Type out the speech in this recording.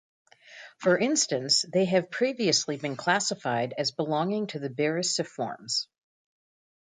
For instance, they have previously been classified as belonging to the Beryciformes.